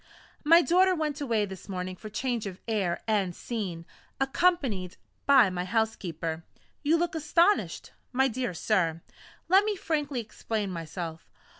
My daughter went away this morning for change of air and scene, accompanied by my housekeeper. You look astonished, my dear sir let me frankly explain myself.